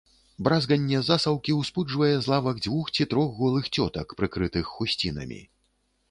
Бразганне засаўкі ўспуджвае з лавак дзвюх ці трох голых цётак, прыкрытых хусцінамі.